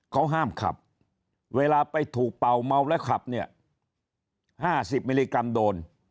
เขาห้ามขับเวลาไปถูกเป่าเมาและขับเนี่ย๕๐มิลลิกรัมโดน